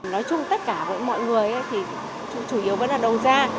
nói chung tất cả mọi người chủ yếu vẫn là đầu gia